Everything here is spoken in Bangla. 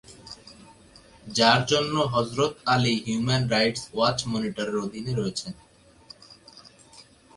যার জন্য Hazrat Ali human rights watch মনিটরের অধীনে রয়েছেন।